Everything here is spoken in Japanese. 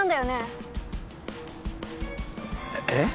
えっ？